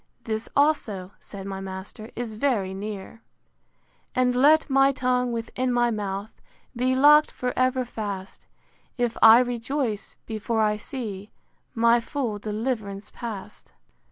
This, also, said my master, is very near: VI. And let my tongue, within my mouth, Be lock'd for ever fast, If I rejoice, before I see My full deliv'rance past.